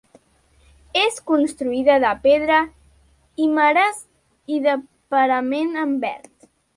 És construïda de pedra i marès i de parament en verd.